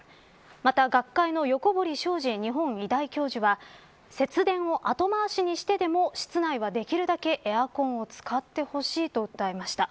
また学会の横堀将司日本医大教授は節電を後回しにしてでも室内はできるだけエアコンを使ってほしいと訴えました。